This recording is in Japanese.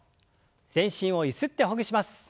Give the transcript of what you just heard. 全身をゆすってほぐします。